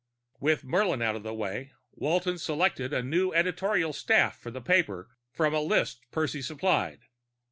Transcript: With Murlin out of the way, Walton selected a new editorial staff for the paper from a list Percy supplied.